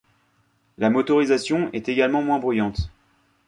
La motorisation est également moins bruyante.